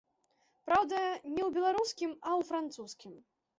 Праўда, не ў беларускім, а ў французскім.